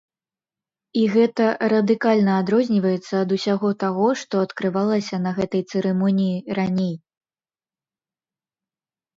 І гэта радыкальна адрозніваецца ад усяго таго, што адкрывалася на гэтай цырымоніі раней.